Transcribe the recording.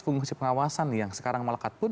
fungsi pengawasan yang sekarang melekat pun